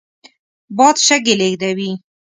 باد شګې لېږدوي